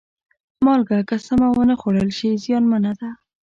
مالګه که سمه ونه خوړل شي، زیانمنه ده.